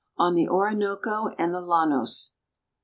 ON THE ORINOCO AND THE LLANOS.